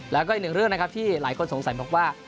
แล้วก็อีกหนึ่งเรื่องนะครับที่หลายคนสงสัยบอกว่า